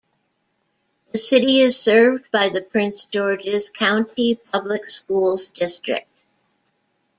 The city is served by the Prince George's County Public Schools district.